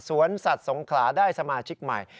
สวนสัตว์สงขลาได้สมาชิกใหม่